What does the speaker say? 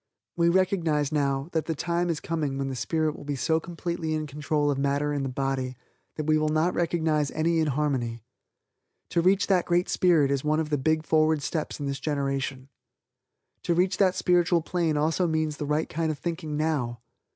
We recognize now, that the time is coming when the spirit will be so completely in control of matter in the body, that we will not recognize any inharmony. To reach that Great Spirit is one of the big forward steps in this generation. To reach that spiritual plane also means the right kind of thinking now.